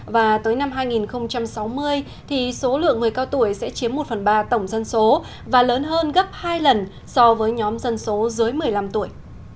và tới năm hai nghìn sáu mươi thì số lượng người cao tuổi sẽ chiếm một phần ba tổng dân số và lớn hơn gấp hai lần so với nhóm dân số dưới một mươi năm tuổi